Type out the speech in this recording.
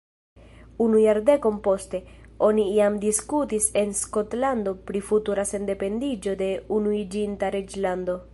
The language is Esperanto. Unu jardekon poste, oni jam diskutis en Skotlando pri futura sendependiĝo de Unuiĝinta Reĝlando.